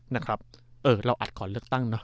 นะครับเออเราอัดขอเลือกตั้งเนอ